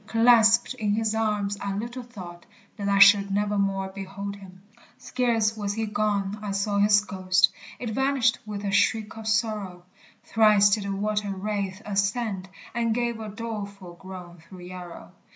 Clasped in his arms, I little thought That I should nevermore behold him! Scarce was he gone, I saw his ghost; It vanished with a shriek of sorrow; Thrice did the water wraith ascend, And gave a doleful groan through Yarrow.